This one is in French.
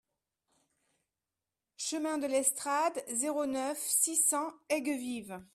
Chemin de Lestrade, zéro neuf, six cents Aigues-Vives